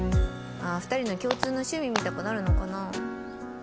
２人の共通の趣味みたくなるのかな？